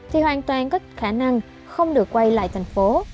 thì hoàn toàn có khả năng không được quay lại thành phố